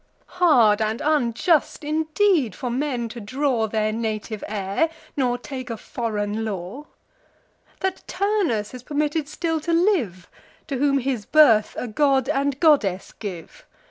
Hard and unjust indeed, for men to draw Their native air, nor take a foreign law! That Turnus is permitted still to live, To whom his birth a god and goddess give!